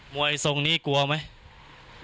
วยทรงนี้กลัวไหม